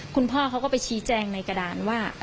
คุณพ่อเขาก็ไปชี้แจงในกระดานว่า